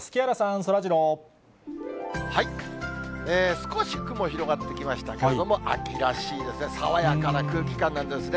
少し雲、広がってきましたけれども、秋らしいですね、爽やかな空気感なんですね。